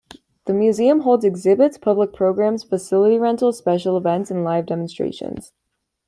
The museum holds exhibits, public programs, facility rentals, special events, and live demonstrations.